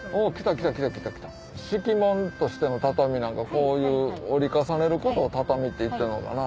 敷物としての畳なんかこういう折り重ねることを畳って言ったのかな？